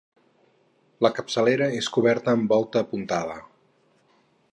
La capçalera és coberta amb volta apuntada.